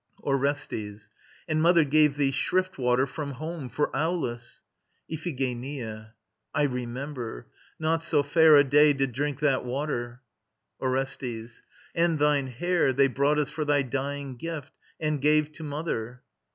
ORESTES. And mother gave thee shrift water from home For Aulis ... IPHIGENIA. I remember. Not so fair A day did drink that water! ORESTES. And thine hair They brought us for thy dying gift, and gave To mother.